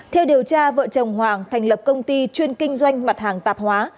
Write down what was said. theo điều tra vợ chồng hoàng thành lập công ty chuyên kinh doanh mặt hàng tạp hóa